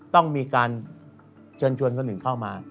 ต้องมีการเจือนชวนคนหนึ่งเข้ามา